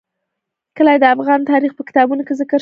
کلي د افغان تاریخ په کتابونو کې ذکر شوی دي.